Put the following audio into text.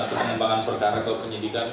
atau pengembangan perkara ke penyidikan